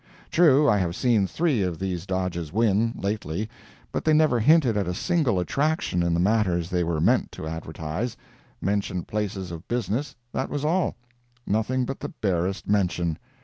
True, I have seen three of these dodges win, lately, but they never hinted at a single attraction in the matters they were meant to advertise—mentioned places of business—that was all—nothing but the barest mention.